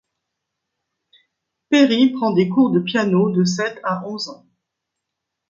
Perry prend des cours de piano de sept à onze ans.